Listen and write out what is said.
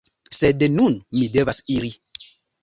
Sed nun mi devas iri.